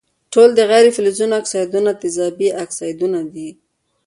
ټول د غیر فلزونو اکسایدونه تیزابي اکسایدونه دي.